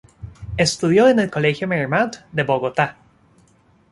Estudió en el colegio Marymount de Bogotá.